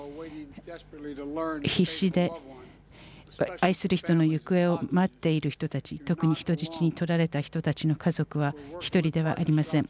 必死で愛する人の行方を待っている人たち特に人質を取られた人たちの家族は１人ではありません。